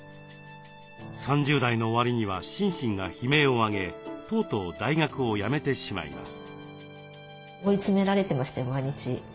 ３０代の終わりには心身が悲鳴を上げとうとう大学を辞めてしまいます。